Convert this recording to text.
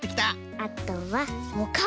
あとはおかお！